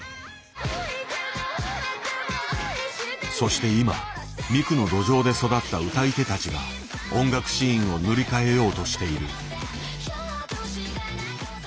そして今ミクの土壌で育った歌い手たちが音楽シーンを塗り替えようとしている。